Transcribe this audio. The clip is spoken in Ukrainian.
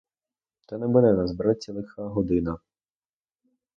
Та не мине нас, братці, лиха година!